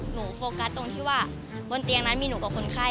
โฟกัสตรงที่ว่าบนเตียงนั้นมีหนูกับคนไข้